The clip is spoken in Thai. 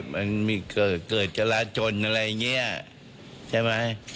มันมีเกิดจราจนอะไรอย่างนี้ใช่ไหม